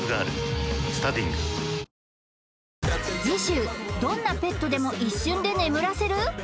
次週どんなペットでも一瞬で眠らせる！？